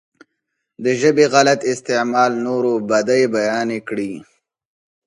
د ژبې غلط استعمال نورو بدۍ بيانې کړي.